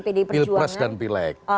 pd perjuangan pilpres dan pilek